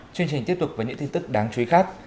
chương trình tiếp tục với những tin tức đáng chú ý khác